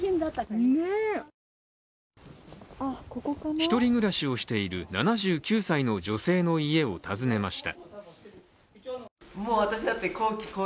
１人暮らしをしている７９歳の女性の家を訪ねました。